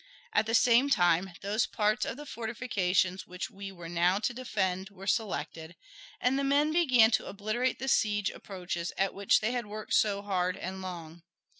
At the same time those parts of the fortifications which we were now to defend were selected, and the men began to obliterate the siege approaches at which they had worked so hard and so long.